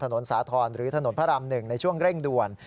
สาธรณ์หรือถนนพระราม๑ในช่วงเร่งด่วน